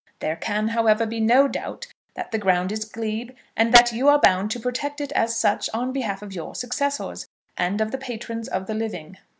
There can, however, be no doubt that the ground is glebe, and that you are bound to protect it as such, on behalf of your successors, and of the patrons of the living.